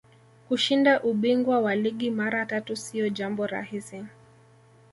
kushinda ubingwa wa ligi mara tatu siyo jambo rahisi